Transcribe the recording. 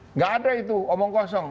nggak ada itu omong kosong